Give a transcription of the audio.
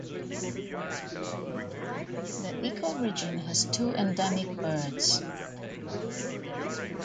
The ecoregion has two endemic birds.